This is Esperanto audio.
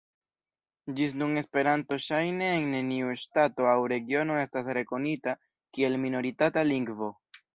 Ĝis nun Esperanto ŝajne en neniu ŝtato aŭ regiono estas rekonita kiel minoritata lingvo.